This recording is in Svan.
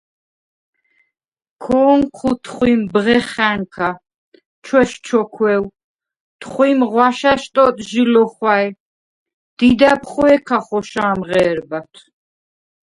ქო̄ნჴუ თხვიმ ბღეხა̈ნქა, ჩვესჩოქვევ, თხვიმ ღვაშა̈შ ტოტჟი ლო̄ხვა̈ჲ, დიდა̈ბ ხვე̄ქა ხოშა̄მ ღე̄რბათვ.